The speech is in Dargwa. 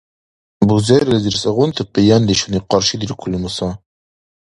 Бузерилизир сегъунти къияндешуни къаршидиркули, Муса?